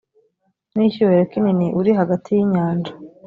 n icyubahiro kinini uri hagati y inyanja